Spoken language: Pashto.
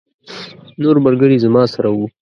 نور ملګري زما سره وو.